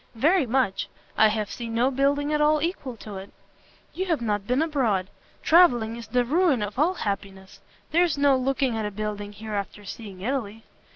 "Very much; I have seen no building at all equal to it." "You have not been abroad. Travelling is the ruin of all happiness! There's no looking at a building here after seeing Italy."